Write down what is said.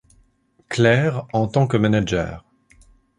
Claire en tant que manager.